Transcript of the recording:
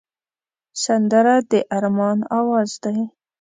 سندره د ارمان آواز دی